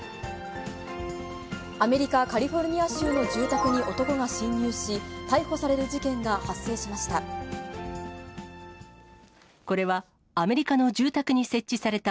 アメリカ・カリフォルニア州の住宅に男が侵入し、逮捕される事件が発生しました。